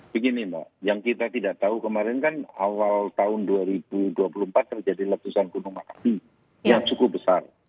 begini mbak yang kita tidak tahu kemarin kan awal tahun dua ribu dua puluh empat terjadi letusan gunung api yang cukup besar